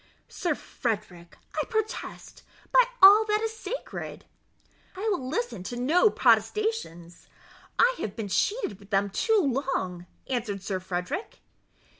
"Sir Frederick, I protest, by all that is sacred " "I will listen to no protestations; I have been cheated with them too long," answered Sir Frederick.